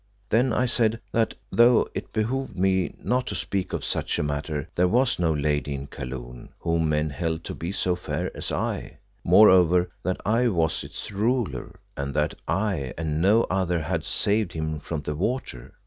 Then I said that though it behooved me not to speak of such a matter, there was no lady in Kaloon whom men held to be so fair as I; moreover, that I was its ruler, and that I and no other had saved him from the water.